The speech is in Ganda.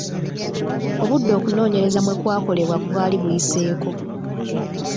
Obudde okunoonyereza mwe kwakolebwa bwali buyiseeko.